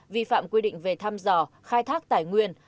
vi phạm quy định về thăm dò khai thác tài nguyên